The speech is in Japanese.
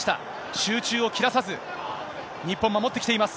集中を切らさず、日本、守ってきています。